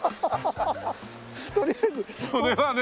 それはね。